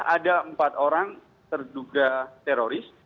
ada empat orang terduga teroris